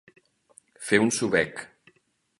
Fer un sobec.